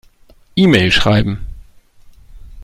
E-Mail schreiben.